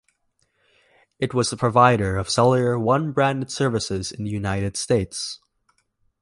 It was the provider of Cellular One-branded services in the United States.